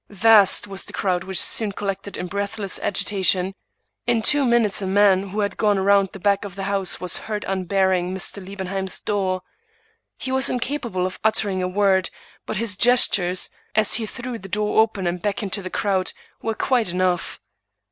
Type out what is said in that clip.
Vast was the crowd which soon col lected in breathless agitation. In two minutes a man who 138 Thomas De Quincey had gone round by the back of the house was heard un barring Mr. Liebenheim's door: he was incapable of utter ing a word; but his gestures, as he threw the door open Sihd beckoned to the crowd, were quite enough.